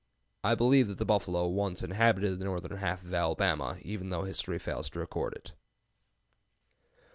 I believe that the buffalo once inhabited the northern half of Alabama, even though history fails to record it.